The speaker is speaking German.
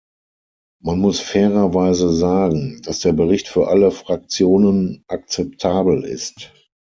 Man muss fairerweise sagen, dass der Bericht für alle Fraktionen akzeptabel ist.